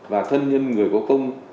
và thân nhân người hữu công